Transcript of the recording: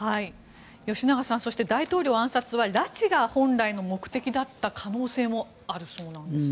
吉永さん、大統領暗殺は拉致が本来の目的だった可能性もあるそうなんです。